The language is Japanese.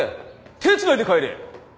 手つないで帰れ！